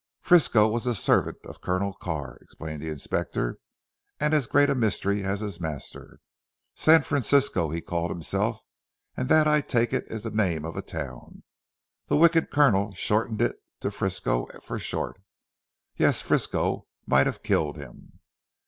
"Frisco was the servant of Colonel Carr," explained the Inspector, "and as great a mystery as his master; San Francisco, he called himself, and that I take it is the name of a town. The wicked Colonel shortened it to Frisco for short. Yes! Frisco might have killed him!"